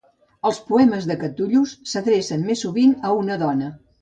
Els poemes de Catullus s'adrecen més sovint a una dona.